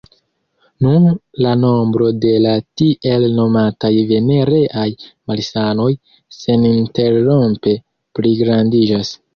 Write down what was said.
Nun la nombro de la tiel nomataj venereaj malsanoj seninterrompe pligrandiĝas.